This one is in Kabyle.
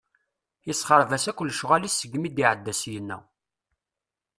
Isexreb-as akk lecɣal-is seg mi d-iɛedda syenna.